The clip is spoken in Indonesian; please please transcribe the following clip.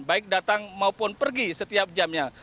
baik datang maupun pergi setiap jamnya